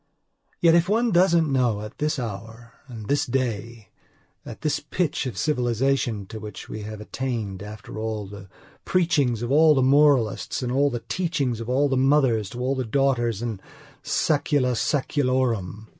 Yet, if one doesn't know that at this hour and day, at this pitch of civilization to which we have attained, after all the preachings of all the moralists, and all the teachings of all the mothers to all the daughters in saecula saeculorum...